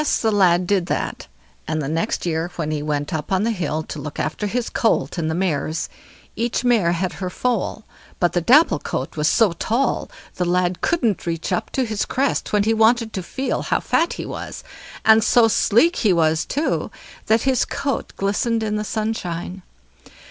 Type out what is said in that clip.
the lad did that; and next year when he went up on the hill to look after his colt and the mares, each mare had her foal, but the dapple colt was so tall the lad couldn't reach up to his crest when he wanted to feel how fat he was; and so sleek he was too, that his coat glistened in the sunshine.